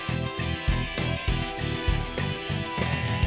umur maria baltang